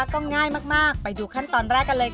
ก็ง่ายมากไปดูขั้นตอนแรกกันเลยค่ะ